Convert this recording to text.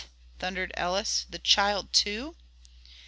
thundered Ellis, "the child, too?"